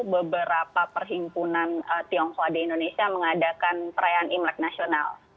beberapa perhimpunan tionghoa di indonesia mengadakan perayaan imlek nasional